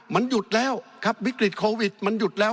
มันหยุดแล้วครับวิกฤตโควิดมันหยุดแล้ว